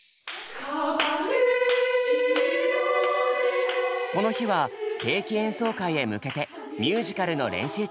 この日は定期演奏会へ向けてミュージカルの練習中。